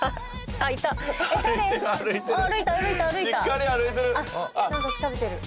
あっなんか食べてる。